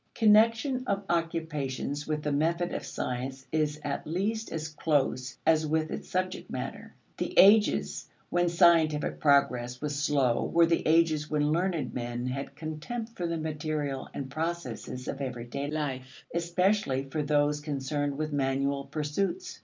Connection of occupations with the method of science is at least as close as with its subject matter. The ages when scientific progress was slow were the ages when learned men had contempt for the material and processes of everyday life, especially for those concerned with manual pursuits.